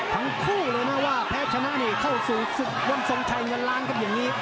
ทั้งคู่เลยนะว่าแพ้ชนะนี่เข้าสู่ศึกวันทรงชัยเงินล้านครับอย่างนี้